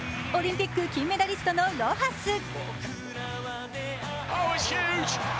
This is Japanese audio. オリンピック金メダリストのロハス。